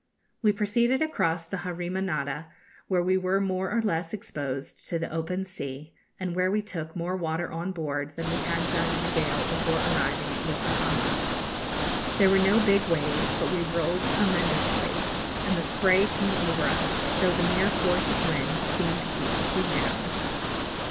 We proceeded across the Harima Nada, where we were more or less exposed to the open sea, and where we took more water on board than we had done in the gale before arriving at Yokohama. There were no big waves, but we rolled tremendously, and the spray came over us, though the mere force of the wind seemed to keep the sea down.